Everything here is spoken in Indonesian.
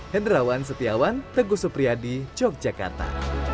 hendrawan setiawan teguh supriyadi yogyakarta